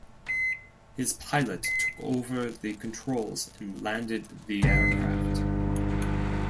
His pilot took over the controls and landed the aircraft.